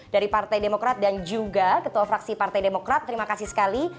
dari partai demokrat dan juga ketua fraksi partai demokrat terima kasih sekali